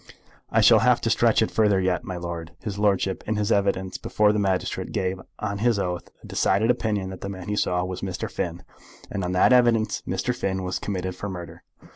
"I shall have to stretch it further yet, my lord. His lordship in his evidence before the magistrate gave on his oath a decided opinion that the man he saw was Mr. Finn; and on that evidence Mr. Finn was committed for murder.